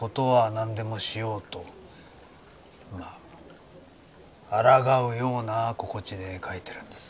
まああらがうような心地で書いてるんです。